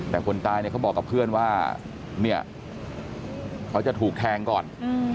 แต่คนตายเขาบอกกับเพื่อนว่าเขาจะถูกแทงก่อน